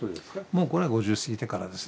もうこれは５０過ぎてからですね。